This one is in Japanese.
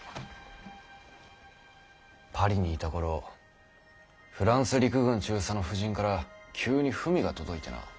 パリにいた頃フランス陸軍中佐の婦人から急に文が届いてな。